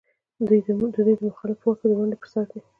د دوی مخالفت په واک کې د ونډې پر سر دی.